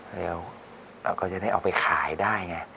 แล้วก็จะได้เอาไปขายได้ไง